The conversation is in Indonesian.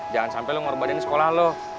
jangan sampe lo ngorbanin sekolah lo